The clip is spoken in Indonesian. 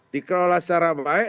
dikerola secara baik